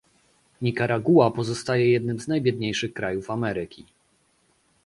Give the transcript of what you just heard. Nikaragua pozostaje jednym z najbiedniejszych krajów Ameryki